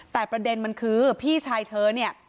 แต่ประเด็นมันคือพี่ชายเธอเนี่ย